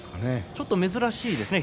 ちょっと珍しいですね